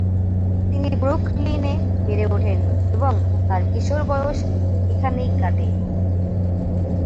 তিনি ব্রুকলিনে বেড়ে ওঠেন এবং তার কিশোর বয়স এখানে কাটে।